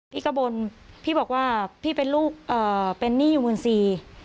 พี่ก็บ่นพี่บอกว่าพี่เป็นลูกเอ่อเป็นหนี้อยู่หมื่นสี่